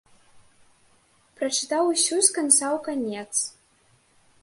Прачытаў усю з канца ў канец.